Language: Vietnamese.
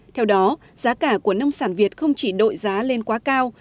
theo đó giá cả của nông sản việt không chỉ đội giá lên quá cao